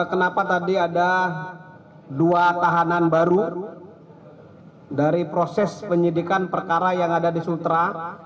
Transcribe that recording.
jadi kenapa tadi ada dua tahanan baru dari proses penyidikan perkara yang ada di sultra